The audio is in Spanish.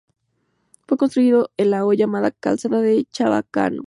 Fue construido en la hoy llamada Calzada de Chabacano.